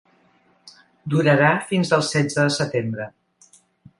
Durarà fins el setze de setembre.